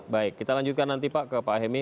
baik kita lanjutkan nanti pak ke pak hemi